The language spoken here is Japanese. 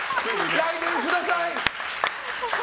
来年ください！